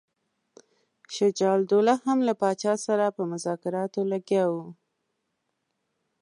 شجاع الدوله هم له پاچا سره په مذاکراتو لګیا وو.